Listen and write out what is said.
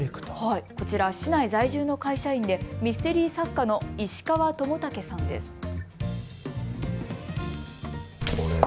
こちら市内在住の会社員でミステリー作家の石川智健さんです。